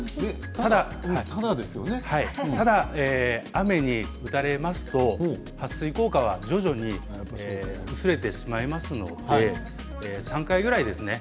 ただ雨に打たれますとはっ水効果は徐々に薄れてしまいますので３回ぐらいですね